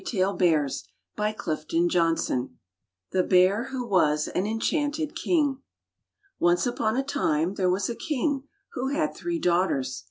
THE BEAR WHO WAS AN ENCHANTED KING THE BEAR WHO WAS AN ENCHANTED KING O NCE upon a time there was a king who had three daughters.